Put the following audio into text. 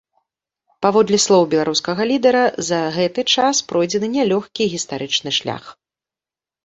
Паводле слоў беларускага лідара, за гэты час пройдзены нялёгкі гістарычны шлях.